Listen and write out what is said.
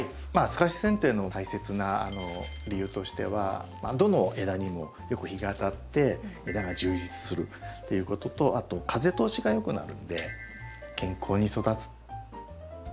すかしせん定の大切な理由としてはどの枝にもよく日が当たって枝が充実するっていうこととあと風通しが良くなるので健康に育つ。